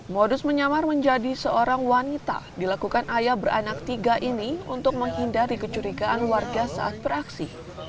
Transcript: modus menyamar menjadi seorang wanita dilakukan ayah beranak tiga ini untuk menghindari kecurigaan warga saat beraksi